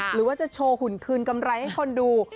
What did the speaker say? หรือว่าจะโชว์หุ่นคืนกำไรให้คนดู